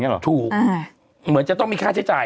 ถูกเหมือนจะต้องมีค่าใช้จ่าย